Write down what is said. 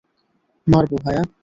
মারবো, ভায়া।